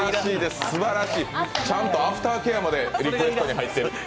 ちゃんとアフターケアまでリクエストに入ってる。